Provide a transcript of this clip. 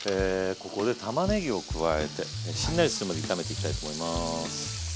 ここでたまねぎを加えてしんなりするまで炒めていきたいと思います。